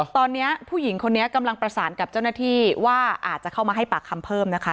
ตอนนี้ผู้หญิงคนนี้กำลังประสานกับเจ้าหน้าที่ว่าอาจจะเข้ามาให้ปากคำเพิ่มนะคะ